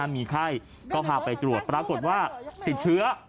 มีไข้ก็พาไปตรวจปรากฏว่าติดเชื้อ